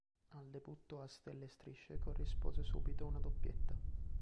Al debutto a stelle e strisce corrispose subito una doppietta.